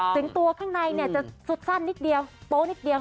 ถึงตัวข้างในจะสุดสั้นนิดเดียวโป๊นิดเดียว